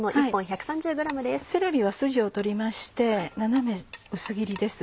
セロリはスジを取りまして斜め薄切りです。